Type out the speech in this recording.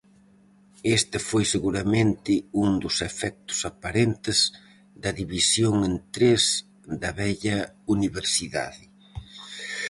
Este foi seguramente un dos efectos aparentes da división en tres da vella universidade.